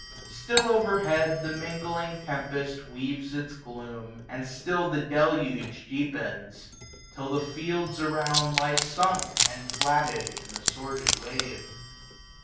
Still over head The mingling tempest weaves its gloom, and still The deluge deepens ; till the fields around Lie sunk, and flatted, in the sordid wave.